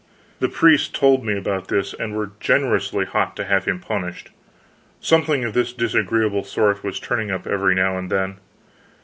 The priests told me about this, and were generously hot to have him punished. Something of this disagreeable sort was turning up every now and then.